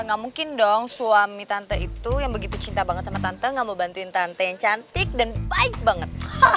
gak mungkin dong suami tante itu yang begitu cinta banget sama tante gak mau bantuin tante yang cantik dan baik banget